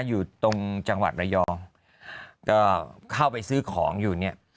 อยู่ตรงจังหวัดระยองก็เข้าไปซื้อของอยู่เนี่ย